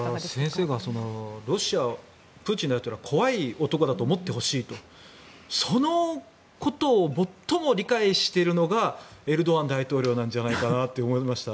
先生がロシアをプーチン大統領は怖い男だと思ってほしいとそのことを最も理解しているのがエルドアン大統領なんじゃないかなと思いました。